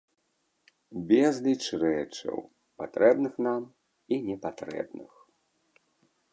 Безліч рэчаў, патрэбных нам і непатрэбных.